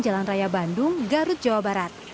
jalan raya bandung garut jawa barat